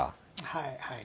はいはい。